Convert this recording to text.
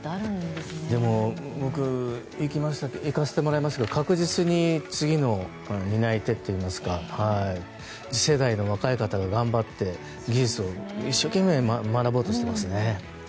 でも、僕行かせてもらいましたが確実に次の担い手といいますか次世代の若い方が頑張って技術を一生懸命学ぼうとしていますね。